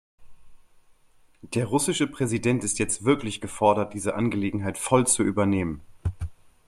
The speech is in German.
Der russische Präsident ist jetzt wirklich gefordert, diese Angelegenheit voll zu übernehmen.